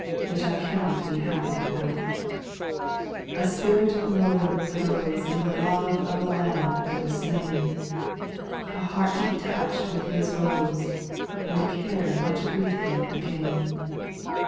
Which I cannot be happy without, i 2. ■ A spirit of lowly repose In the love of the Lamb that was slain, A heart to be touch'd with his woes. And a care not to grieve Him again.